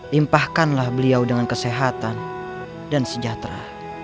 limpahkanlah beliau dengan kesehatan dan sejahtera